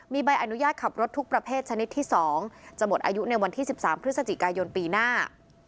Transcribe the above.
มีใบอนุญาตขับรถทุกประเภทชนิดที่๒จะหมดอายุในวันที่๑๓พฤศจิกายนปีหน้า